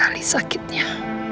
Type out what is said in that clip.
masih terasa sekali sakitnya